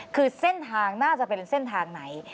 คือเส้นทางน่าจะเป็นเส้นทางไหน